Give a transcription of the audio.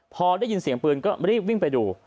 พอได้ยินเสียงปืนก็รีบวิ่งไปดู